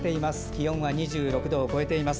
気温は２６度を超えています。